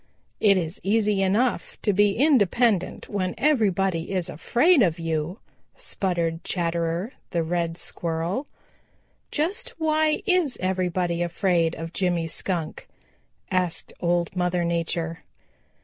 "It is easy enough to be independent when everybody is afraid of you," sputtered Chatterer the Red Squirrel. "Just why is everybody afraid of Jimmy Skunk," asked Old Mother Nature.